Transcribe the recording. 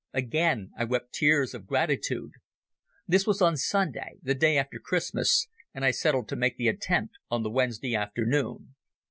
Again I wept tears of gratitude. This was on Sunday, the day after Christmas, and I settled to make the attempt on the Wednesday afternoon.